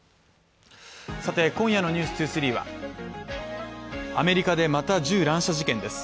さて今夜の「ｎｅｗｓ２３」はアメリカでまた銃乱射事件です